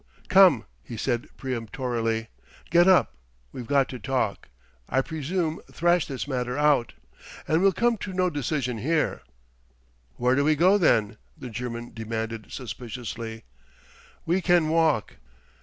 "Come!" he said peremptorily. "Get up. We've got to talk, I presume thrash this matter out and we'll come to no decision here." "Where do we go, then?" the German demanded suspiciously. "We can walk."